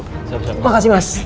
terima kasih mas